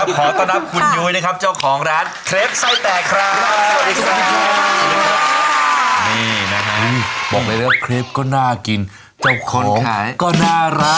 ขอต้อนรับคุณยุ้ยนะครับเจ้าของร้านเคฟไส้แตกครับ